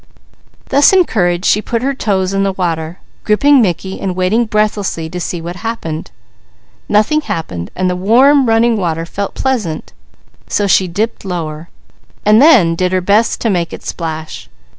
Thus encouraged she put her toes in the water, gripping Mickey and waiting breathlessly to see what happened. Nothing happened, while the warm, running water felt pleasant, so she dipped lower, and then did her best to make it splash.